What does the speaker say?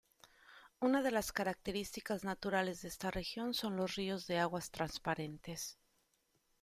Una de las características naturales de esta región son los ríos de aguas transparentes.